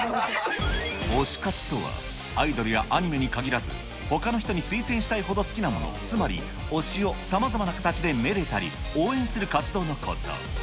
推し活とは、アイドルやアニメに限らず、ほかの人に推薦したいほど好きなもの、つまり推しをさまざまな形でめでたり、応援する活動のこと。